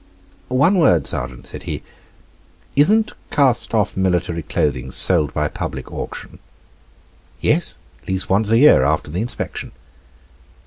"One word, sergeant," said he, "isn't cast off military clothing sold by public auction?" "Yes; at least once a year, after the inspection."